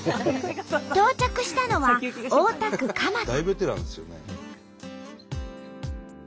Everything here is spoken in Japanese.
到着したのは大田区蒲田。